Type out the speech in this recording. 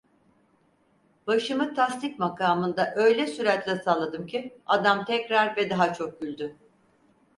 Başımı tasdik makamında öyle süratle salladım ki, adam tekrar ve daha çok güldü.